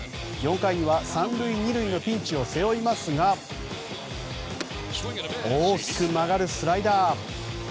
４回には３塁、２塁のピンチを背負いますが大きく曲がるスライダー。